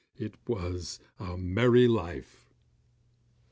Oh, it was a merry life!